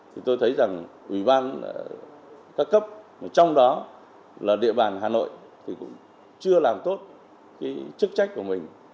thì tôi thấy rằng ủy ban các cấp trong đó là địa bàn hà nội thì cũng chưa làm tốt cái chức trách của mình